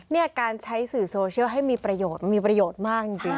เนี่ยการใช้สื่อโซเชียลให้มีประโยชน์มันมีประโยชน์มากจริง